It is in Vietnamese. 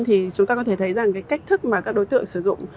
thì chúng ta có thể thấy rằng cái cách thức mà các đối tượng sử dụng